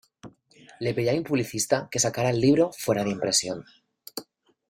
Le pedí a mi publicista que sacara al libro fuera de impresión.